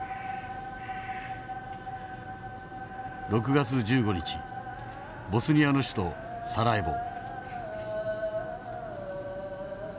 ６月１５日ボスニアの首都サラエボ。